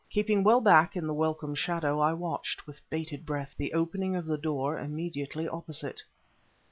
Keeping well back in the welcome shadow I watched, with bated breath, the opening of the door immediately opposite.